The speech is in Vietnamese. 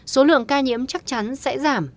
số lượng ca nhiễm chắc chắn sẽ giảm